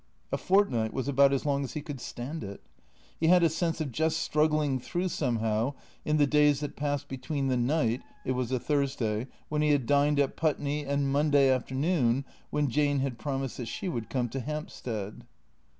A fortnight was about as long as he could stand it. He had a sense of just struggling through, somehow, in the days that passed between the night (it was a Thursday) when he had dined at Putney and Monday afternoon when Jane had promised that she would come to Hampstead.